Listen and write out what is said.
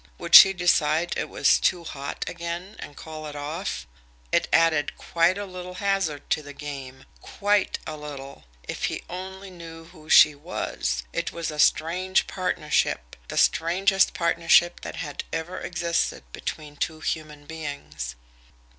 Would she decide it was "too hot" again, and call it off? It added quite a little hazard to the game QUITE a little! If he only knew who "she" was! It was a strange partnership the strangest partnership that had ever existed between two human beings.